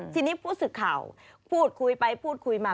ทีนี้ผู้สื่อข่าวพูดคุยไปพูดคุยมา